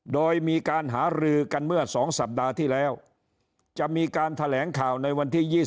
โดยมีการหารือกันเมื่อ๒สัปดาห์ที่แล้ว